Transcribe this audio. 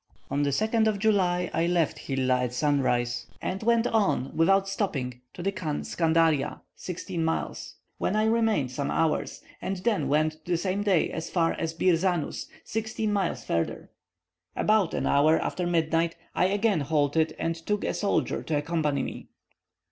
On the 2nd of July I left Hilla at sunrise, and went on, without stopping, to the Khan Scandaria (sixteen miles), where I remained some hours; and then went the same day as far as Bir Zanus, sixteen miles further. About an hour after midnight I again halted, and took a soldier to accompany me.